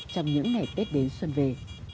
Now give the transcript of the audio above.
trong những ngày tết đến xuân về